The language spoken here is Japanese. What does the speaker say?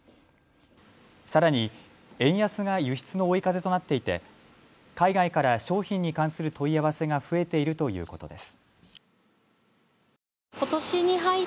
さらに円安が輸出の追い風となっていて海外から商品に関する問い合わせが増えているということです。